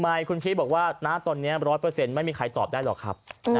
ทำไมคุณพีชบอกว่าณตอนนี้ร้อยเปอร์เซ็นต์ไม่มีใครตอบได้หรอกครับ